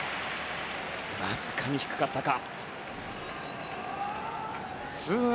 わずかに低かったか。